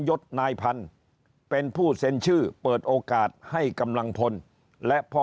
ยศนายพันธุ์เป็นผู้เซ็นชื่อเปิดโอกาสให้กำลังพลและพ่อ